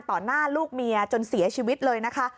หน้าลูกเมียจนเสียชีวิตเลยนะคะ